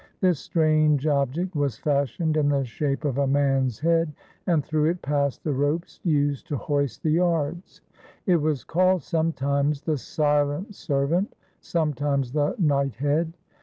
This strange object was fashioned in the shape of a man's head, and through it passed the ropes used to hoist the yards. It was called sometimes "the silent servant," sometimes "the knighthead."